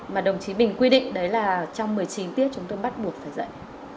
mà đồng chí bình quy định đấy là trong một mươi chín tiết chúng tôi bắt buộc phải dạy